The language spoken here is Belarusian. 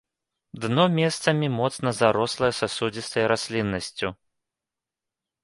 Дно месцамі моцна зарослае сасудзістай расліннасцю.